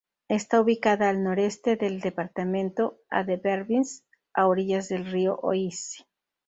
Está ubicada al noreste del departamento, a de Vervins, a orillas del río Oise.